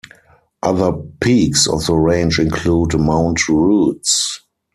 Other peaks of the range include Mount Roots.